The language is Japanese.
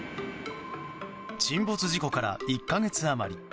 沈没事故から１か月余り。